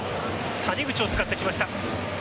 谷口を使ってきました。